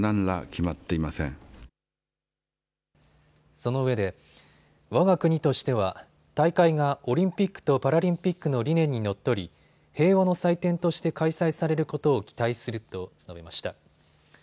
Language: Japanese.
そのうえでわが国としては大会がオリンピックとパラリンピックの理念にのっとり平和の祭典として開催されることを期待すると述べました。